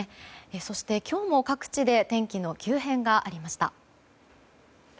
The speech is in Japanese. そして、今日も各地で天気の急変がありました。